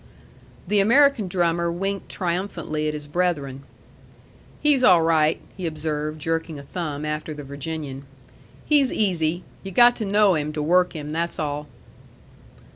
The American drummer winked triumphantly at his brethren. "He's all right," he observed, jerking a thumb after the Virginian. "He's easy. You got to know him to work him. That's all."